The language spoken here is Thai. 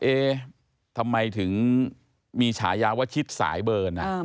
เอ๊ะทำไมถึงมีฉายาว่าชิดสายเบิร์น